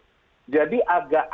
bagaimana informasi bisa terstruktur